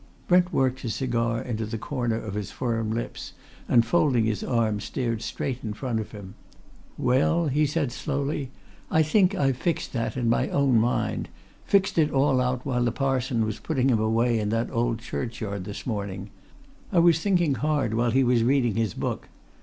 Brent worked his cigar into the corner of his firm lips and folding his arms stared straight in front of him. "Well," he said slowly, "I think I've fixed that in my own mind, fixed it all out while the parson was putting him away in that old churchyard this morning I was thinking hard while he was reading his book.